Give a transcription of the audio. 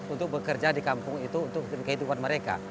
untuk bekerja di kampung itu untuk kehidupan mereka